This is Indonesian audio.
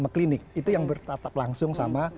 klinik itu yang bertatap langsung sama